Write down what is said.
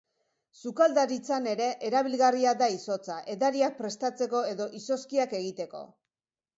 Sukaldaritzan ere erabilgarria da izotza, edariak prestatzeko edo izozkiak egiteko.